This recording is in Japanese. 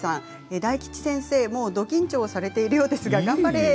大吉先生、ど緊張されているようですが頑張れ。